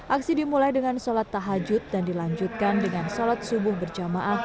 aksi dimulai dengan sholat tahajud dan dilanjutkan dengan sholat subuh berjamaah